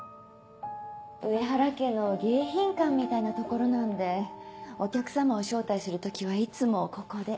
上原家の迎賓館みたいな所なんでお客様を招待する時はいつもここで。